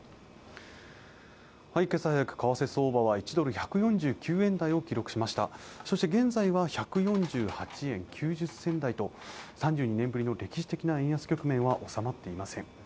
今朝早く為替相場は１ドル＝１４９円台を記録しましたそして現在は１４８円９０銭台と３２年ぶりの歴史的な円安局面は収まっていません